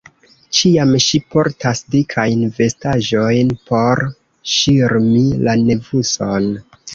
Ĉiam ŝi portas dikajn vestaĵojn por ŝirmi la nevuson.